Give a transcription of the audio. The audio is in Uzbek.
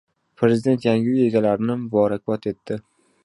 Prezident yangi uy egalarini muborakbod etdi